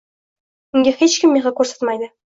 Unga hech kim, mehr koʻrsatmaydi.